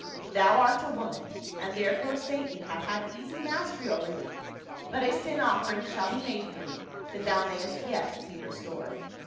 Thou art a woman, and therefore Satan hath had easy mastery over thee ; but a sin offering shall be made for thee, that thou mayst yet be restored."